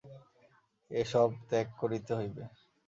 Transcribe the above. এ সবই ত্যাগ করিতে হইবে।